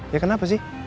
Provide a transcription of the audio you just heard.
ya kenapa sih